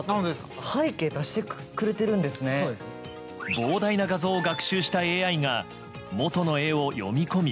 膨大な画像を学習したＡＩが元の絵を読み込み